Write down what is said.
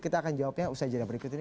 kita akan jawabnya usai jadwal berikut ini